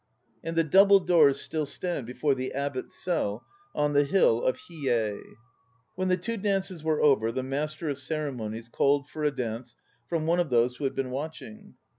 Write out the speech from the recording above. And the double doors still stand before the Abbot's cell, on the Hill of Hlyei. When the two dances were over, the master of ceremonies called for a dance from one of those who had been watching.